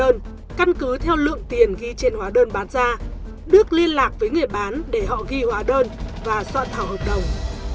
sau lượng tiền ghi trên hóa đơn bán ra đức liên lạc với người bán để họ ghi hóa đơn và soạn thảo hợp đồng